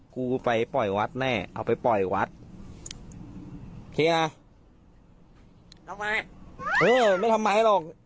กูไปปล่อยวัดแน่เอาไปปล่อยวัดโอเคไงเออไม่ทำไมหรอก